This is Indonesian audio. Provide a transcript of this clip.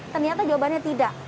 ternyata jawabannya tidak